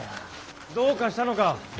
どうかしたのか？